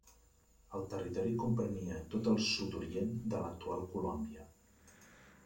El territori comprenia tot el sud-orient de l'actual Colòmbia.